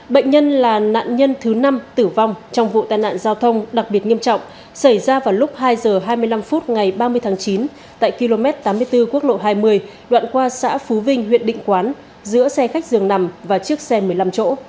bệnh nhân là nạn nhân thứ năm tử vong trong vụ tai nạn giao thông đặc biệt nghiêm trọng xảy ra vào lúc hai h hai mươi năm phút ngày ba mươi tháng chín tại km tám mươi bốn quốc lộ hai mươi đoạn qua xã phú vinh huyện định quán giữa xe khách dường nằm và chiếc xe một mươi năm chỗ